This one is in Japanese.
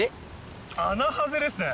アナハゼですね